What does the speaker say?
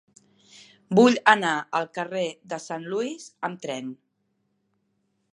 Vull anar al carrer de Saint Louis amb tren.